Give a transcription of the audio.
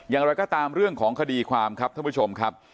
อย่างไรก็ตามเรื่องของคดีความครับท่านผู้ชมครับ